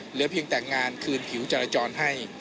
เหลือเพียงแต่งานคืนผิวจรจรให้